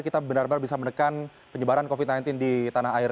kita benar benar bisa menekan penyebaran covid sembilan belas di tanah air